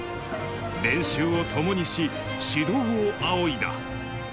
練習を共にし、指導をあおいだ。